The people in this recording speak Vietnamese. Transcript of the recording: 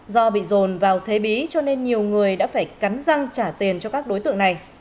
do bị dồn vào thế bí cho nên nhiều người đã phải cắn răng trả tiền cho các đối tượng này